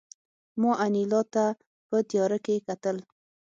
ما انیلا ته په تیاره کې کتل